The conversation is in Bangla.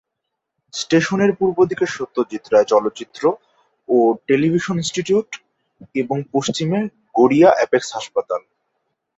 স্টেশনের পূর্ব দিকে সত্যজিৎ রায় চলচ্চিত্র ও টেলিভিশন ইনস্টিটিউট এবং পশ্চিমে গড়িয়া অ্যাপেক্স হাসপাতাল।